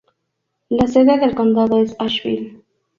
La sede del condado es Asheville.